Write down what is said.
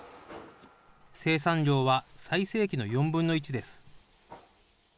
生産量は最盛期の４分の１です。